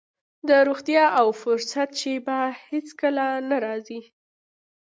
د روغتيا او فرصت شېبه هېڅ کله نه راځي.